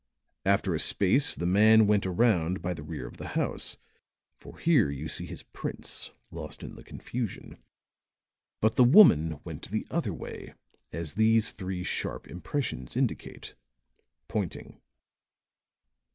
After a space the man went around by the rear of the house, for here you see his prints lost in the confusion. But the woman went the other way, as these three sharp impressions indicate," pointing.